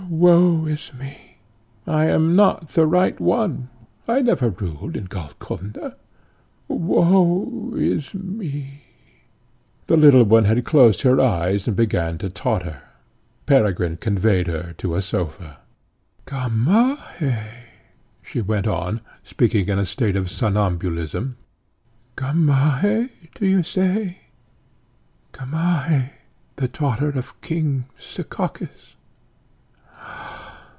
Woe is me! I am not the right one; I never ruled in Golconda. Woe is me!" The little one had closed her eyes, and began to totter. Peregrine conveyed her to a sofa. "Gamaheh!" she went on, speaking in a state of somnambulism, "Gamaheh, do you say? Gamaheh, the daughter of King Sekakis?